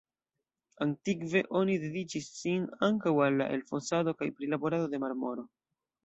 Antikve oni dediĉis sin ankaŭ al la elfosado kaj prilaborado de marmoro.